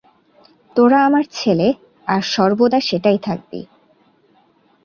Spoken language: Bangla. তোরা আমার ছেলে, আর সর্বদা সেটাই থাকবি।